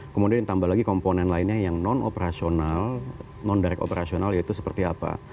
kemudian ditambah lagi komponen lainnya yang non operasional non direct operasional yaitu seperti apa